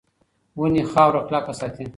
ونې خاوره کلکه ساتي.